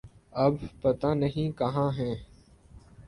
اب پتہ نہیں کہاں ہیں۔